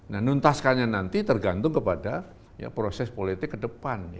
nah nuntaskannya nanti tergantung kepada proses politik ke depan